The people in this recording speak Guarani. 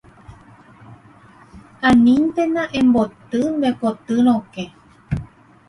Aníntena emboty nde koty rokẽ.